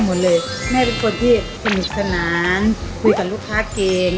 หมดเลยแม่เป็นคนที่สนุกสนานคุยกับลูกค้าเก่ง